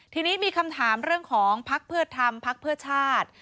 ทีนี้มีคำถามเรื่องของพักเพื่อธรรมพักเพื่อชาติ